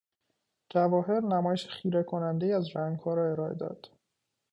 جواهر نمایش خیره کنندهای از رنگها را ارائه داد.